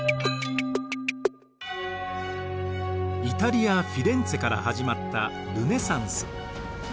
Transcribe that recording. イタリア・フィレンツェから始まったルネサンス。